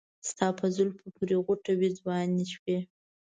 ستا په زلفې پورې غوټه وې ځواني شپې